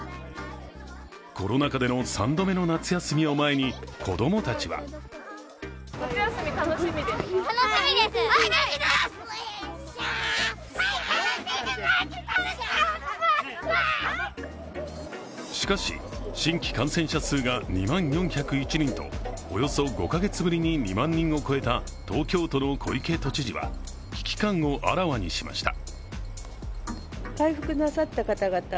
コロナ禍での３度目の夏休みを前に子供たちはしかし、新規感染者数が２万４０１人とおよそ５カ月ぶりに２万人を超えた東京都の小池都知事は危機感をあらわにしました。